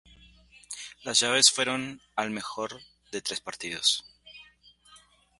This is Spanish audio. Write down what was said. Las llaves fueron al mejor de tres partidos.